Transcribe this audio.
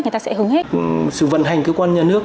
người ta sẽ hứng hết sự vận hành cơ quan nhà nước